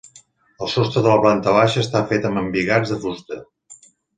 El sostre de la planta baixa està fet amb embigats de fusta.